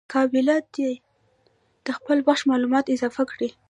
قابله دي د خپل بخش معلومات اضافه کي.